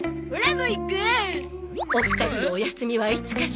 お二人のお休みはいつかしら？